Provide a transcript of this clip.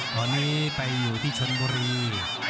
ตอนนี้ไปอยู่ที่ชนบุรี